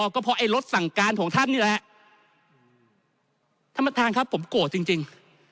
ก็เพราะไอ้รถสั่งการของท่านนี่แหละท่านประธานครับผมโกรธจริงจริง